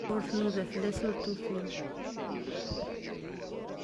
Ur tnuda fell-as, ur t-tufi.